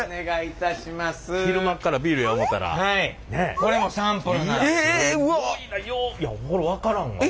いやこれ分からんわ。